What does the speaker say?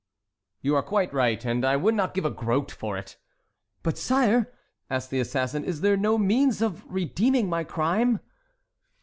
"You are quite right, and I would not give a groat for it." "But, sire," asked the assassin, "is there no means of redeeming my crime?"